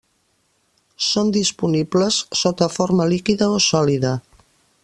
Són disponibles sota forma líquida o sòlida.